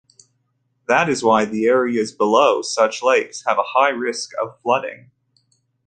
That is why the areas below such lakes have high risk of flooding.